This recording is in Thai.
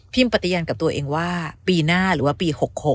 ปฏิญันกับตัวเองว่าปีหน้าหรือว่าปี๖๖